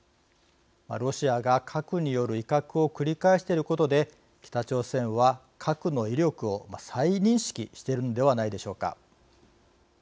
ロシアが核による威嚇を繰り返していることで北朝鮮は核の威力を再認識しているのではないでしょうか。